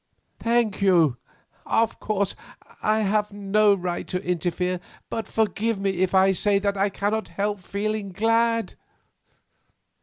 "Thank you. Of course, I have no right to interfere, but forgive me if I say that I cannot help feeling glad.